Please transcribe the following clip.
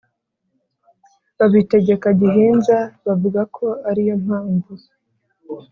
babitegeka gihinza bavuga ko ariyo mpamvu